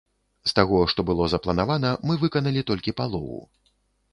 З таго, што было запланавана, мы выканалі толькі палову.